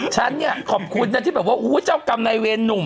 ฉันเนี่ยขอบคุณนะที่แบบว่าเจ้ากรรมในเวรหนุ่ม